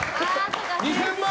２０００万